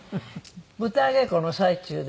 舞台稽古の最中で。